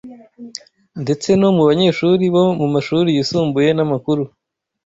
Ndetse no mu banyeshuri bo mu mashuri yisumbuye n’amakuru